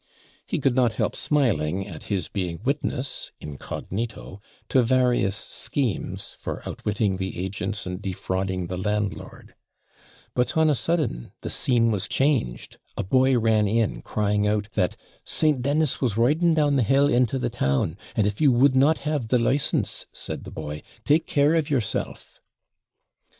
He could not help smiling at his being witness incognito to various schemes for outwitting the agents and defrauding the landlord; but, on a sudden, the scene was changed; a boy ran in, crying out, that 'St. Dennis was riding down the hill into the town; and, if you would not have the license,' said the boy, 'take care of yourself.'